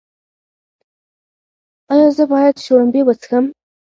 ایا زه باید شړومبې وڅښم؟